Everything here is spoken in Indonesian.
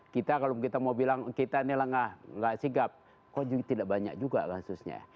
kita kalau kita mau bilang kita ini lengah nggak sigap kok tidak banyak juga kasusnya